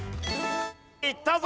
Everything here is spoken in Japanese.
いったぞ。